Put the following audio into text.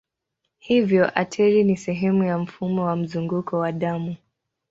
Hivyo ateri ni sehemu ya mfumo wa mzunguko wa damu.